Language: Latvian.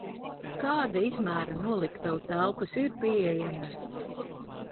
Kāda izmēra noliktavu telpas ir pieejamas?